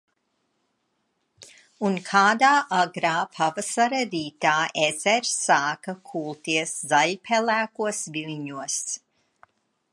Un kādā agrā pavasara rītā, ezers sāka kulties zaļpelēkos viļņos.